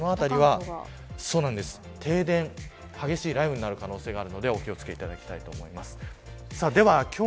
この辺りは停電激しい雷雨になる可能性があるのでお気を付けていただきたいと思います。